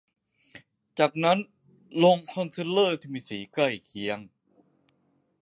จากนั้นลงคอนซีลเลอร์ที่มีสีใกล้เคียง